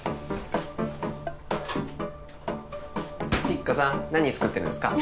知花さん何作ってるんすか？